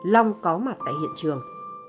long có mặt tại hiện trường